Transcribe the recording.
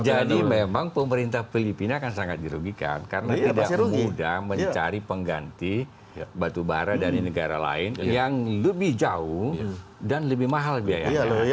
jadi memang pemerintah filipina akan sangat dirugikan karena tidak mudah mencari pengganti batubara dari negara lain yang lebih jauh dan lebih mahal biaya